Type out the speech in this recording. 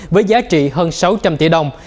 với giá trị hơn sáu trăm linh tỷ đồng